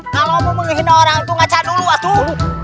kalau mau menghina orang itu ngacau dulu atuk